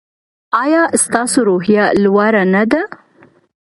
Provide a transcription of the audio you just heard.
ایا ستاسو روحیه لوړه نه ده؟